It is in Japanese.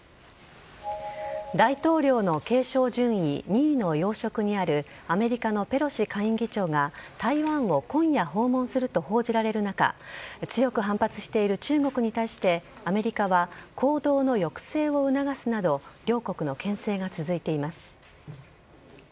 大統領の継承順位２位の要職にある、アメリカのペロシ下院議長が台湾を今夜訪問すると報じられる中、強く反発している中国に対して、アメリカは行動の抑制を促すなど、両国の牽制が続いています。